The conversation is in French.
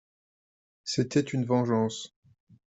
C'était une vengeance.